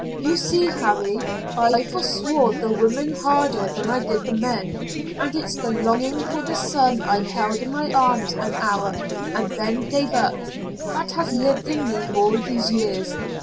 You see, Harry, I forswore the women harder than I did the men, and it's the longing for the son I held in my arms an hour and then gave up, that has lived in me all these years.